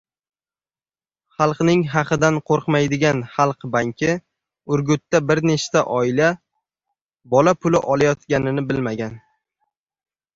Xalqning haqidan qo‘rqmaydigan Xalq banki: Urgutda bir nechta oila bola puli “olayotganini” bilmagan